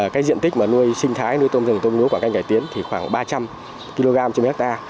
cái diện tích mà nuôi sinh thái nuôi tôm rừng tôm lúa của canh cải tiến thì khoảng ba trăm linh kg trên một hectare